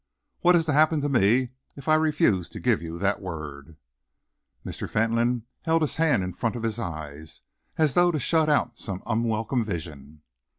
What is to happen to me, if I refuse to give you that word?" Mr. Fentolin held his hand in front of his eyes, as though to shut out some unwelcome vision.